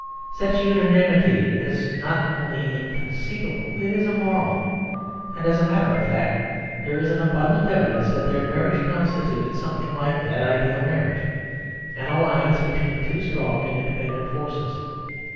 Such unanimity is not only inconceivable, it is immoral; and as a matter of fact, there is abundant evidence that their marriage constituted something like that ideal marriage, an alliance between two strong and independent forces.